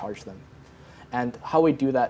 dan cara kami melakukan itu adalah